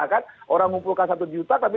kan orang ngumpulkan satu juta tapi